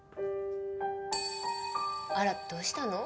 あらどうしたの？